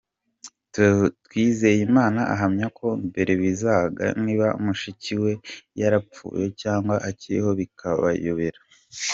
Twizeyimana ahamya ko mbere bibazaga niba mushiki we yarapfuye cyangwa akiriho bikabayobera.